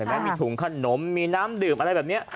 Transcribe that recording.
ไหมมีถุงขนมมีน้ำดื่มอะไรแบบนี้